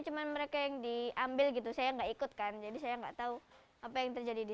cuma mereka yang diambil gitu saya nggak ikut kan jadi saya nggak tahu apa yang terjadi di